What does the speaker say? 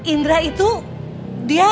indra itu dia